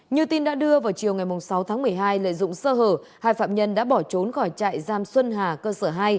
như tin đã đưa vào chiều ngày sáu tháng một mươi hai lợi dụng sơ hở hai phạm nhân đã bỏ trốn khỏi trại giam xuân hà cơ sở hai